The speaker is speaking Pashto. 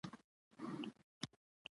لومړی مطلب - ديني او دعوتي وظيفي: